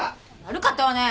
悪かったわね。